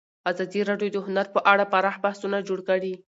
ازادي راډیو د هنر په اړه پراخ بحثونه جوړ کړي.